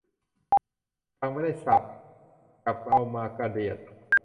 ฟังไม่ได้ศัพท์ จับเอามากระเดียด